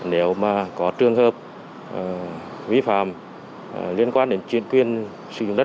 nếu mà có trường hợp vi phạm liên quan đến chuyển quyền sử dụng đất